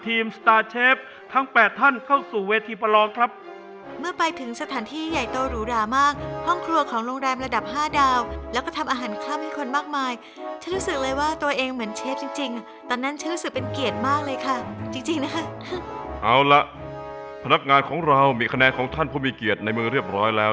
ถึงแม้ว่าก่อนหน้านี้พวกเราจะขึ้นอาหารได้ไวแต่อาหารสองอย่างสุดท้ายเนี่ยมันค่อนข้างยากมากเลยทีเดียว